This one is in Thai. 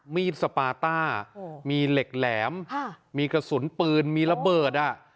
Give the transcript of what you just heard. มีสปาต้าโอ้โหมีเหล็กแหลมฮะมีกระสุนปืนมีระเบิดอ่ะ